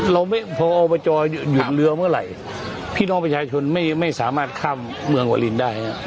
เราไม่พออบจหยุดเรือเมื่อไหร่พี่น้องประชาชนไม่สามารถข้ามเมืองวาลินได้